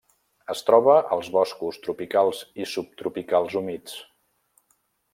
Es troba als boscos tropicals i subtropicals humits.